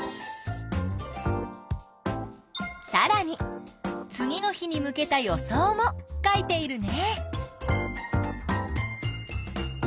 さらに次の日に向けた予想も書いているね。